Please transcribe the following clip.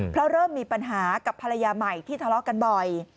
เพราะเริ่มมีปัญหากับภรรยาใหม่ที่ทะเลาะกันบ่อย